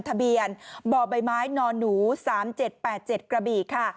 ทะเบียนบ่อใบไม้นอนหนู๓๗๘๗กระบี่ค่ะ